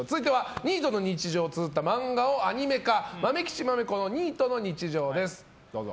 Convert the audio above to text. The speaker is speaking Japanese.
ニートの日常をつづった漫画をアニメ化「まめきちまめこニートの日常」